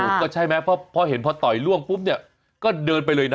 ก็ใช่ไหมเพราะเห็นพอต่อยล่วงปุ๊บเนี่ยก็เดินไปเลยนะ